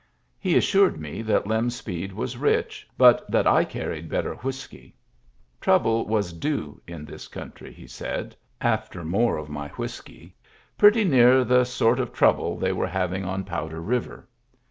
He assured me that Lem Speed was rich, but that I carried better whiskey. Trouble was " due " in this country, he said (after more of my whiskey), "pretty near'* the sort of trouble they were having on Powder River.